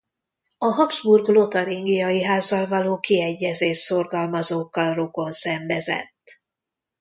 A Habsburg–Lotaringiai-házzal való kiegyezést szorgalmazókkal rokonszenvezett.